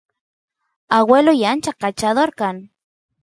agueloy ancha kachador kan